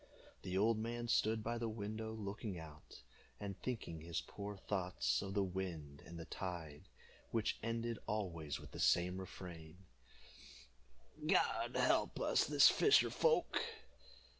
The old man stood by the window looking out, and thinking his poor thoughts of the wind and the tide, which ended always with the same refrain, "God help us fisher folk!"